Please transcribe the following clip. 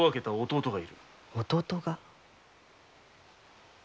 弟が？